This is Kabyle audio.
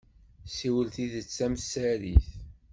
Ssiwel tidet tamsarit.